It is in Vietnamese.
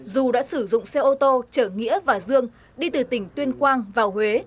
dù đã sử dụng xe ô tô chở nghĩa và dương đi từ tỉnh tuyên quang vào huế